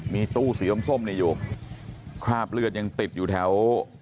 มีตู้สีส้มส้มนี่อยู่คราบเลือดยังติดอยู่แถว